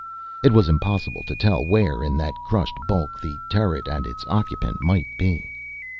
It was impossible to tell where, in that crushed bulk, the turret and its occupant might be.